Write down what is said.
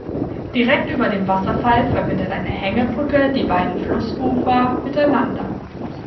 Direkt über dem Wasserfall verbindet eine Hängebrücke die beiden Flussufer miteinander.